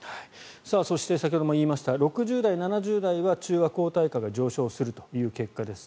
そして先ほども言いました６０代、７０代は中和抗体価が上昇するという結果です。